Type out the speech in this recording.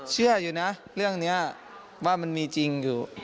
เชื่ออยู่นะเรื่องนี้ว่ามันมีจริงอยู่